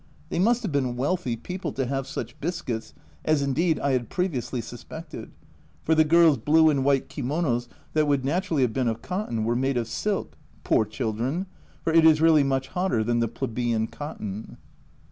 They must have been wealthy people to have such biscuits, as, indeed, 'I had previously suspected, for the girls' blue and white kimonos, that would naturally have been of cotton, were made of silk poor children ! for it is really much hotter than the plebeian cotton.